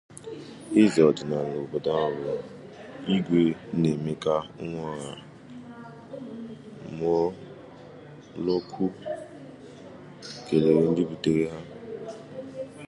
eze ọdịnala obodo ahụ bụ Igwe Nnaemeka Nworah-Muolokwu kelere ndị butere ha